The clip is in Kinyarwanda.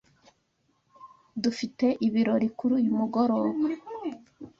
Ddufiteibirori kuri uyu mugoroba.